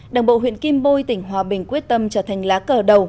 đảng bộ huyện kim bôi tỉnh hòa bình quyết tâm trở thành lá cờ đầu